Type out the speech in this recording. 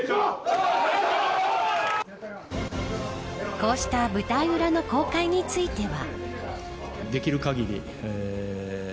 こうした舞台裏の公開については。